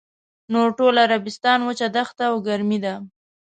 نور ټول عربستان وچه دښته او ګرمي ده.